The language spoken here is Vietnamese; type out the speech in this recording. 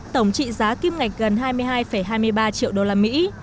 tổng trị giá kim ngạch gần hai mươi hai hai mươi ba triệu đô la mỹ